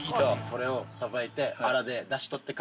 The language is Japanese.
これをさばいて。